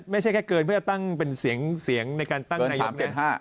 ไม่ใช่แค่เกินเพื่อตั้งเป็นเสียงในการตั้งนายกนะ